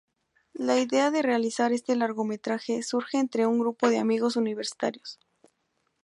La idea de realizar este largometraje surge entre un grupo de amigos universitarios.